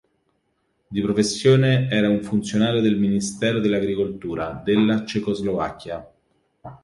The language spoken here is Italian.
Di professione era un funzionario del Ministero dell'agricoltura della Cecoslovacchia.